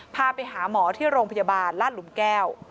พาไปหาหมอที่โรงพยาบาลลาดหลุมแก้ว